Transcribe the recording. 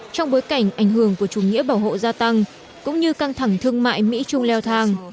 trong bối cảnh ảnh hưởng của chủ nghĩa bảo hộ gia tăng cũng như căng thẳng thương mại mỹ trung leo thang